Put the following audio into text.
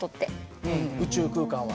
宇宙空間は？